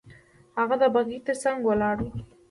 هغه د بګۍ تر څنګ ولاړ وو.